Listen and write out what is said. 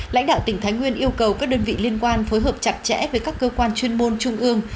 lãnh đạo tỉnh thái nguyên yêu cầu các đơn vị liên quan phối hợp chặt chẽ với các cơ quan chuyên môn trung ương